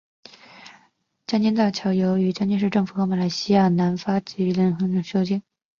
江津长江大桥由江津市政府和马来西亚南发集团合作修建。